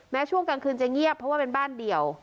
ช่วงกลางคืนจะเงียบเพราะว่าเป็นบ้านเดี่ยว